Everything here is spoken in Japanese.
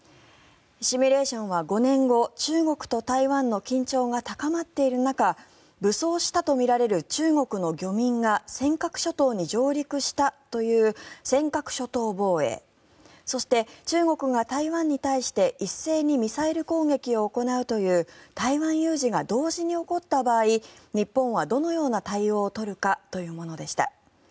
シミュレーションでは５年後中国と台湾の緊張が高まっている中武装したとみられる中国の漁民が尖閣諸島に上陸したという尖閣諸島防衛そして、中国が台湾に対して一斉にミサイル攻撃を行うという台湾有事が同時に起こった場合日本はどのような対応を取るかというものでした。